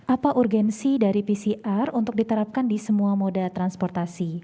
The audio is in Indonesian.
apa urgensi dari pcr untuk diterapkan di semua moda transportasi